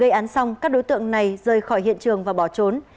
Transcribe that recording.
gây án xong các đối tượng này rời khỏi hiện trường và bỏ trốn